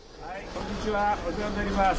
こんにちは、お世話になります。